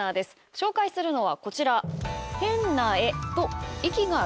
紹介するのはこちら。